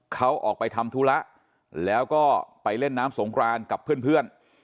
เขาออกไปทำธุระแล้วก็ไปเล่นน้ำสงครานกับเพื่อน